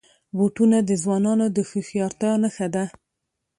بوټونه د ځوانانو د هوښیارتیا نښه ده.